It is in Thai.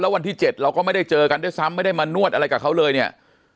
วันที่๗เราก็ไม่ได้เจอกันด้วยซ้ำไม่ได้มานวดอะไรกับเขาเลยเนี่ย